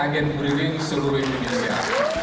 agen bri link seluruh indonesia